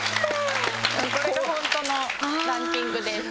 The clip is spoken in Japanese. これが本当のランキングです。